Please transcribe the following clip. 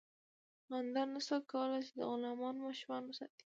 خاوندانو نشو کولی چې د غلامانو ماشومان وساتي.